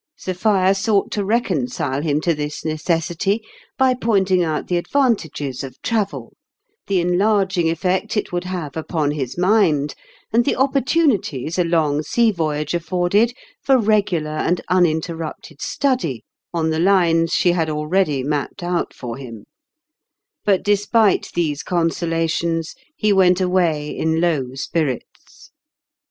Sophia sought to reconcile him to this necessity by pointing out the advantages of travel, the enlarging effect it would have upon his mind, and the opportunities a long sea voyage afforded for regular and uninter rupted study on the lines she had already mapped out for him; but despite these con solations, he went away in low spirits.